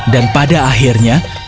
dan pada akhirnya